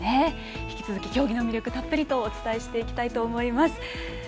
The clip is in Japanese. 引き続き競技の魅力たっぷりとお伝えしていきます。